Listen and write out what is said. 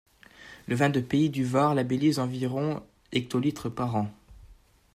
Le vin de pays du Var labellise environ hectolitres par an.